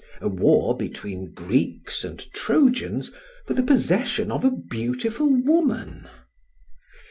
a war between Greeks and Trojans for the possession of a beautiful woman!